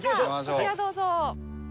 こちらどうぞ。